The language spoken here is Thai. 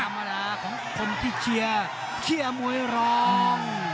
เวลาของคนที่เชียร์เชียร์มวยรอง